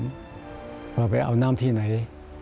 ว่าไปเอาน้ำที่ไหน